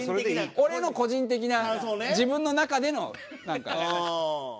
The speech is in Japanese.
俺の個人的な自分の中でのなんか。